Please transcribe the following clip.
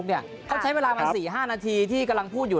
เขาใช้เวลามา๔๕นาทีที่กำลังพูดอยู่